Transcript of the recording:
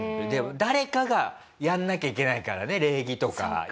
誰かがやんなきゃいけないからね礼儀とか。